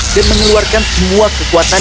dan mengeluarkan semua kekuatan